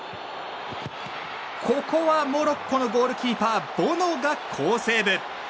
ここはモロッコのゴールキーパーボノが好セーブ。